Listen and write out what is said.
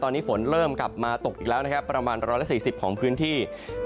ตอนนี้ฝนเริ่มกลับมาตกอีกแล้วนะครับประมาณ๑๔๐ของพื้นที่